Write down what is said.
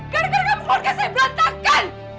gara gara kamu keluarga saya berantakan